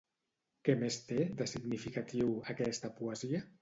Què més té, de significatiu, aquesta poesia?